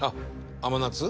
甘夏。